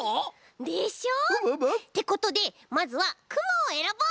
でしょ！ってことでまずはくもをえらぼう！